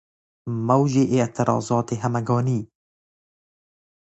موج اعتراضات همگانی